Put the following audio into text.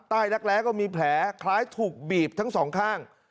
รักแร้ก็มีแผลคล้ายถูกบีบทั้งสองข้าง